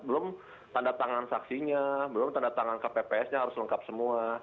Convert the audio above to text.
belum tanda tangan saksinya belum tanda tangan kpps nya harus lengkap semua